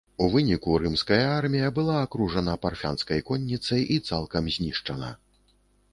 У выніку рымская армія была акружана парфянскай конніцай і цалкам знішчана.